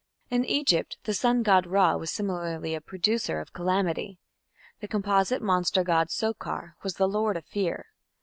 In Egypt the sun god Ra was similarly a "producer of calamity", the composite monster god Sokar was "the lord of fear".